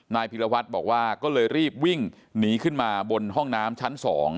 พิรวัตรบอกว่าก็เลยรีบวิ่งหนีขึ้นมาบนห้องน้ำชั้น๒